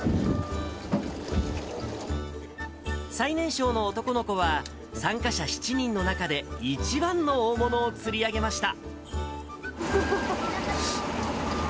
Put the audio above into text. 最年少の男の子は、参加者７人の中で、一番の大物を釣り上げました。